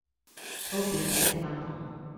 頭皮還在發毛